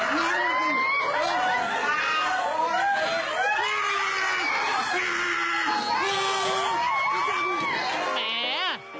แหมแหมแหมแหมแหม